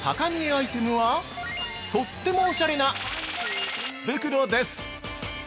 アイテムはとってもおしゃれな○○袋です！